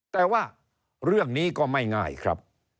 แต่ว่าเรื่องนี้ก็ไม่ง่ายครับ